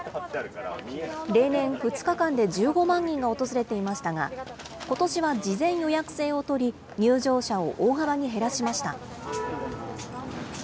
例年、２日間で１５万人が訪れていましたが、ことしは事前予約制を取り、入場者を大幅に減らしました。